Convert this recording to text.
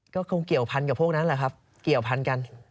ก็คงเกี่ยวพันกับพวกนั้นแหละครับเกี่ยวพันกัน